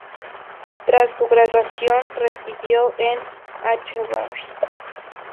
Tras su graduación, residió en Hvar.